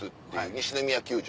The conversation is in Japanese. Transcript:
西宮球場